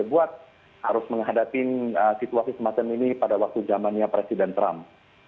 jadi buat harus menghadapi situasi semacam ini pada waktu zamannya presiden trump